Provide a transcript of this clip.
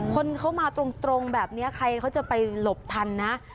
คนเขามาตรงแบบนี้ใครเขาจะไปหลบทันนะ